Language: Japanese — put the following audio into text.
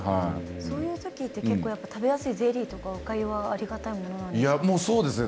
そういうときって結構食べやすいゼリーとか、おかゆはありがたいものなんですか？